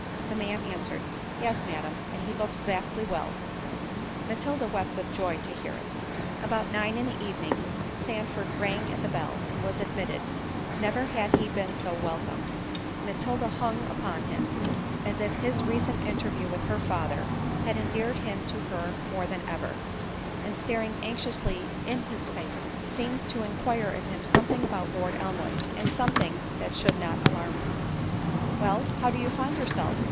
The man answered, "Yes, Madam; and he looks vastly well." Matilda wept with joy to hear it. About nine in the evening, Sandford rang at the bell, and was admitted—never had he been so welcome—Matilda hung upon him, as if his recent interview with her father, had endeared him to her more than ever; and staring anxiously in his face, seemed to enquire of him something about Lord Elmwood, and something that should not alarm her. "Well—how do you find yourself?"